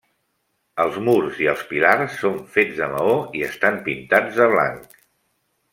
Els murs i els pilars són fets de maó i estan pintats de blanc.